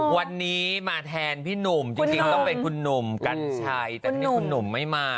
วันนี้มาแทนพี่หนุ่มจริงต้องเป็นคุณหนุ่มกัญชัยแต่ทีนี้คุณหนุ่มไม่มา